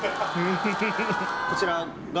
こちらが？